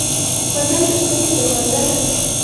منل د سولې دروازه ده.